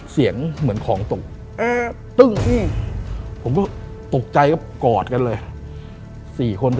เสียงเหมือนของตก